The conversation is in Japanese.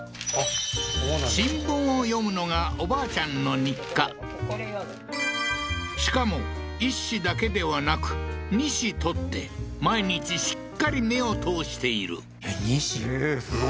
新聞を読むのがおばあちゃんの日課しかも１紙だけではなく２紙取って毎日しっかり目を通している２紙ええー